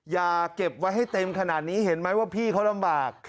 อย่าเก็บไว้ให้เต็มขนาดนี้เห็นไหมว่าพี่เขาลำบาก